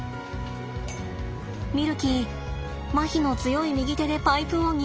ミルキーまひの強い右手でパイプを握りそして。